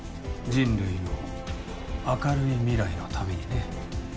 人類の明るい未来のためにね。